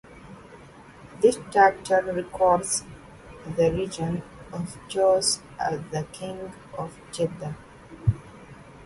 This chapter records the reign of Joash as the king of Judah.